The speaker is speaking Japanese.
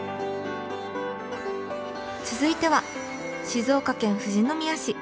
続いては静岡県富士宮市。